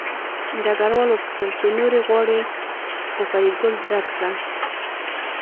ډګروال وپوښتل چې نورې غواړې خو فریدګل رد کړه